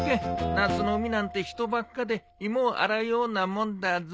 夏の海なんて人ばっかで芋を洗うようなもんだぞ。